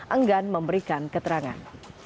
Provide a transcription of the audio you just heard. enggan memberikan keterangan